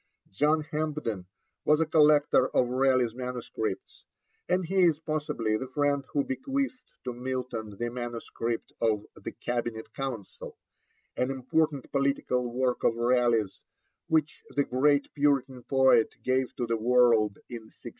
John Hampden was a collector of Raleigh's manuscripts, and he is possibly the friend who bequeathed to Milton the manuscript of The Cabinet Council, an important political work of Raleigh's which the great Puritan poet gave to the world in 1658.